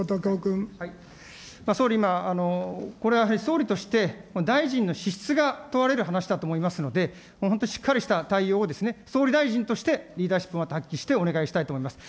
総理、今、これは総理として、大臣の資質が問われる話だと思いますので、本当、しっかりとした対応を、総理大臣としてリーダーシップ発揮してお願いしたいと思います。